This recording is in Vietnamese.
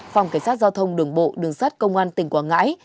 phòng cảnh sát giao thông đường bộ đường sát công an tỉnh quảng ngãi